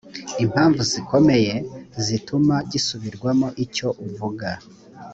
impamvu zikomeye zituma gisubirwamo icyo uvuga